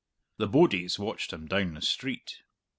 The bodies watched him down the street.